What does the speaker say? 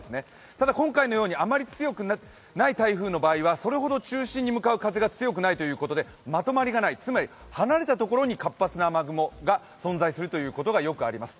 ただ今回のようにあまり強くない台風の場合はそれほど中心に向かう風が強くないということでまとまりがない、つまり離れたところに活発な雨雲が存在することがよくあります。